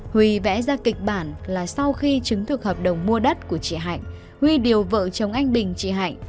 huy vẽ ra kịch bản là sau khi chứng thực hợp đồng mua đất của chị hạnh huy điều vợ chồng anh bình chị hạnh